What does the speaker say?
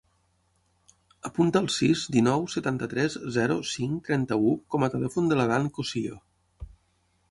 Apunta el sis, dinou, setanta-tres, zero, cinc, trenta-u com a telèfon de l'Adán Cossio.